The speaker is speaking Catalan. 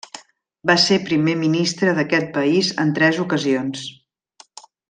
Va ser primer ministre d'aquest país en tres ocasions.